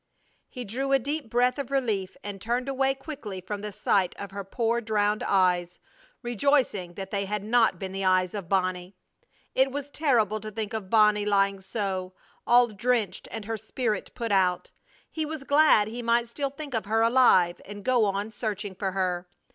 He drew a deep breath of relief and turned away quickly from the sight of her poor drowned eyes, rejoicing that they had not been the eyes of Bonnie. It was terrible to think of Bonnie lying so, all drenched and her spirit put out. He was glad he might still think of her alive, and go on searching for her.